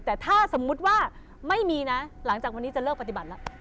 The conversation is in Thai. แต่ถ้าสมมุติว่าไม่มีนะหลังจากวันนี้จะเลิกปฏิบัติแล้ว